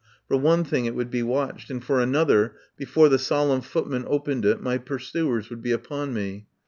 For one thing it would be watched, and for another, before the solemn footmen opened it, my pursuers would be upon me.